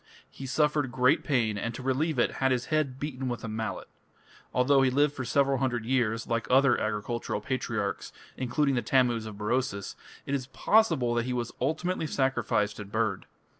He suffered great pain, and to relieve it had his head beaten with a mallet. Although he lived for several hundred years, like other agricultural patriarchs, including the Tammuz of Berosus, it is possible that he was ultimately sacrificed and burned.